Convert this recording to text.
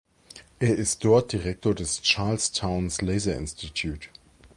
Er ist dort Direktor des Charles Townes Laser Institute.